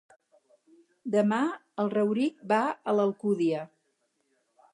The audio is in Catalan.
Demà en Rauric va a l'Alcúdia.